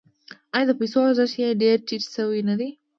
آیا د پیسو ارزښت یې ډیر ټیټ شوی نه دی؟